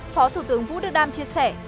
phó thủ tướng vũ đức đam chia sẻ